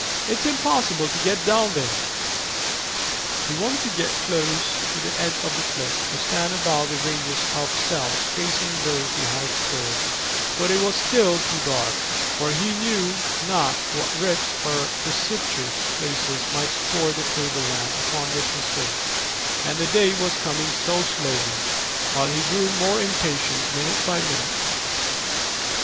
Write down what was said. "It's impossible to get down there." He wanted to get close to the edge of the cliff, to stand above the ranges of cells facing those they had explored; but it was still too dark, for he knew not what rifts or precipitous places might score the tableland upon which he stood; and the day was coming so slowly, while he grew more impatient minute by minute.